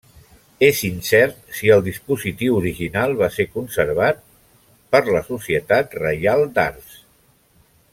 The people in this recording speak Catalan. És incert si el dispositiu original va ser conservat per la Societat Reial d'Arts.